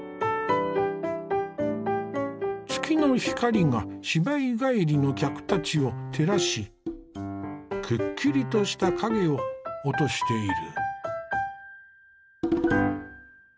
月の光が芝居帰りの客たちを照らしくっきりとした影を落としている。